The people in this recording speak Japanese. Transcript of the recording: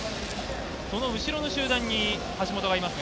その後ろの集団に橋本がいます。